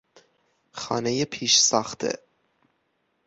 خانهی پیشساخته